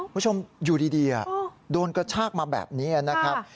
คุณผู้ชมอยู่ดีโดนกระชากมาแบบนี้นะครับ